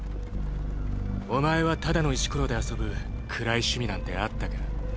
お前はただの石ころで遊ぶ暗い趣味なんてあったか？